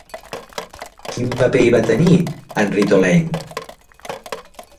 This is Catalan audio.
Quin paper hi va tenir Henri Tolaine?